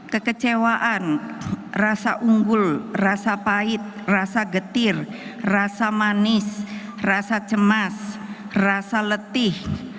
kekecewaan rasa unggul rasa pahit rasa getir rasa manis rasa cemas rasa letih